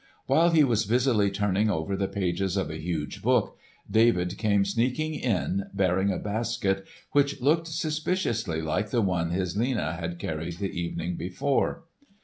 While he was busily turning over the pages of a huge book David came sneaking in bearing a basket which looked suspiciously like the one his Lena had carried the evening before.